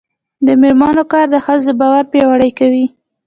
د میرمنو کار د ښځو باور پیاوړی کوي.